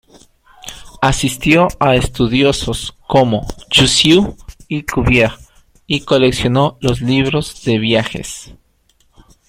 Asistió a estudiosos como Jussieu y Cuvier y coleccionó los libros de viajes.